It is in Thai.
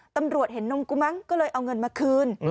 ตำรวจเห็นนมกูมั้งก็เลยเอาเงินมาคืน